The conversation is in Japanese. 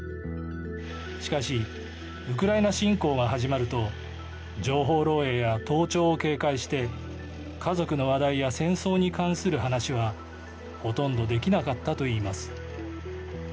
しかしウクライナ侵攻が始まると情報漏えいや盗聴を警戒して家族の話題や戦争に関する話はほとんどできなかったといいます。